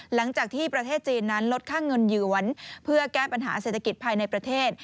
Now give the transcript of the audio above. หลังจากที่ประเทศจีนนั้นลดค่าเงินหยวนเพื่อแก้ปัญหาเศรษฐกิจภายในประเทศ